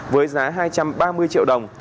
với giá hai trăm ba mươi triệu đồng